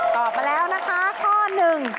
ตอบมาแล้วนะคะข้อหนึ่ง